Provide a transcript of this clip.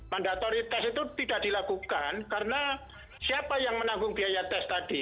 mandatory test itu tidak dilakukan karena siapa yang menanggung biaya tes tadi